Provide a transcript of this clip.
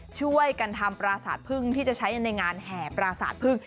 ช่วยกันทำปราสาทพึ่งที่จะใช้ในงานแห่ปราสาทพึ่ง